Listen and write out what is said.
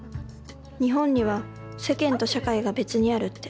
日本には「世間」と「社会」が別にあるって。